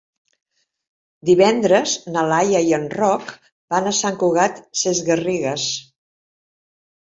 Divendres na Laia i en Roc van a Sant Cugat Sesgarrigues.